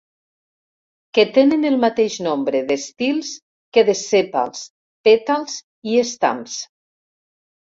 Que tenen el mateix nombre d'estils que de sèpals, pètals i estams.